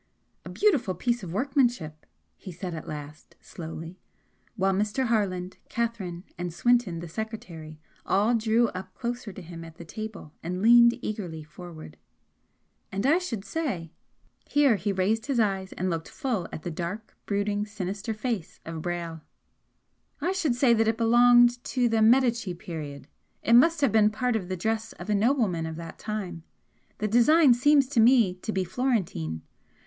"A beautiful piece of workmanship," he said, at last, slowly, while Mr. Harland, Catherine, and Swinton the secretary all drew up closer to him at the table and leaned eagerly forward "And I should say" here he raised his eyes and looked full at the dark, brooding, sinister face of Brayle "I should say that it belonged to the Medici period. It must have been part of the dress of a nobleman of that time the design seems to me to be Florentine.